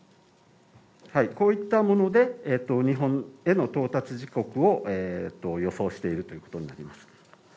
こういったもので日本への到達時刻を予想しているということになりました